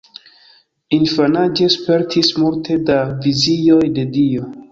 Infanaĝe spertis multe da vizioj de Dio.